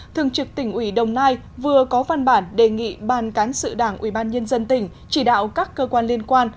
thường trực tỉnh ủy đồng nai vừa có văn bản đề nghị ban cán sự đảng ubnd tỉnh chỉ đạo các cơ quan liên quan